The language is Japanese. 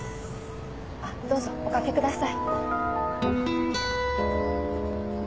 あっどうぞおかけください。